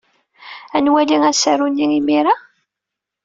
Ad nwali asaru-nni imir-a?